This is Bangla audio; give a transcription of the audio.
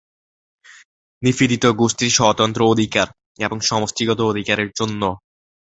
নিপীড়িত গোষ্ঠীর স্বতন্ত্র অধিকার এবং সমষ্টিগত অধিকারের জন্য।